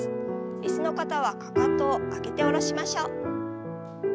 椅子の方はかかとを上げて下ろしましょう。